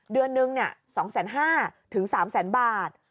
เดือนนึงเนี่ย๒๕๐๐๐๐ถึง๓๐๐๐๐๐บาท